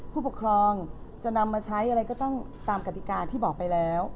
ผู้ปกครองจะนำมาใช้อะไรก็ต้องตามกติกาที่บอกไปแล้ว